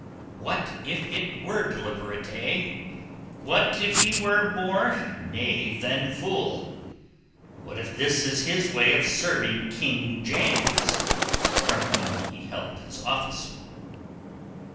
What if it were deliberate, eh? What if he is more knave than fool? What if this is his way of serving King James, from whom he held his office?"